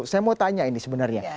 saya mau tanya ini sebenarnya